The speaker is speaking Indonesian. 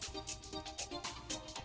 tapi mau jual